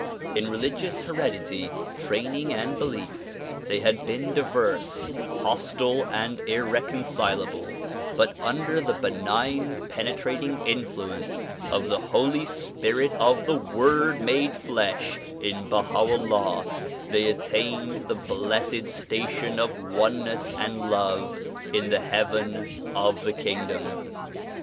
In religious hered ity, training and belief they had been diverse, hostile and irrecon cilable but under the benign, penetrating influence of the Holy Spirit of the Word made flesh in Baha 'Ullah they attained the blessed station of oneness and love in the heaven of the kingdom.